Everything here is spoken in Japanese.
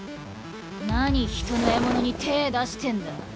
何人の獲物に手ぇ出してんだぁ？